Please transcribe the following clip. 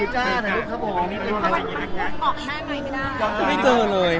แทนเนาะขอบคุณค่ะ